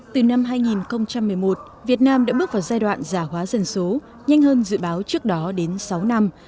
từ năm hai nghìn một mươi một việt nam đã bước vào giai đoạn giả hóa dân số nhanh hơn dự báo trước đó đến sáu năm